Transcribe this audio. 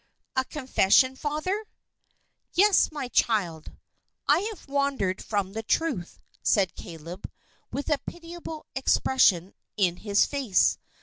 "A confession, Father?" "Yes, my child; I have wandered from the truth," said Caleb, with a pitiable expression in his face.